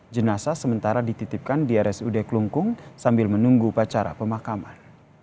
jenasa sementara dititipkan di rsud klungkung sambil menunggu upacara pemakaman